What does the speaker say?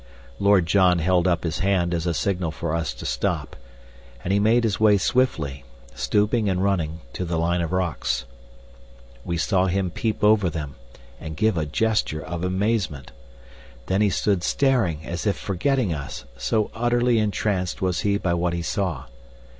Lord John held up his hand as a signal for us to stop, and he made his way swiftly, stooping and running, to the line of rocks. We saw him peep over them and give a gesture of amazement. Then he stood staring as if forgetting us, so utterly entranced was he by what he saw.